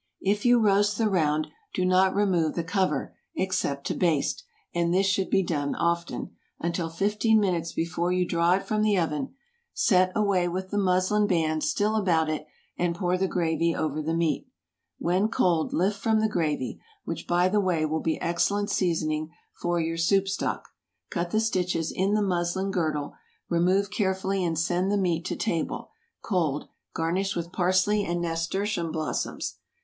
If you roast the round, do not remove the cover, except to baste (and this should be done often), until fifteen minutes before you draw it from the oven. Set away with the muslin band still about it, and pour the gravy over the meat. When cold, lift from the gravy,—which, by the way, will be excellent seasoning for your soup stock,—cut the stitches in the muslin girdle, remove carefully and send the meat to table, cold, garnished with parsley and nasturtium blossoms.